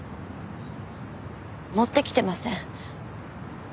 持ってきてません。